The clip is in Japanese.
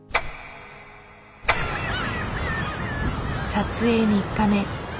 撮影３日目。